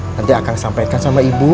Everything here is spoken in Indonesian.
nanti akan disampaikan sama ibu